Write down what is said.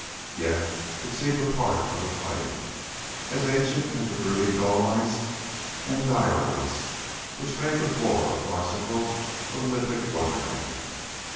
Yet it seemed a part of the plain, as ancient as the brooding dolomites and diorites which made the floor of Arzachel a lithic wonderland.